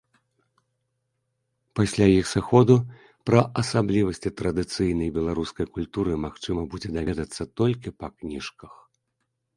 Пасля іх сыходу пра асаблівасці традыцыйнай беларускай культуры магчыма будзе даведацца толькі па кніжках.